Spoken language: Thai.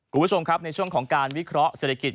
คุณผู้ชมครับในช่วงของการวิเคราะห์เศรษฐกิจ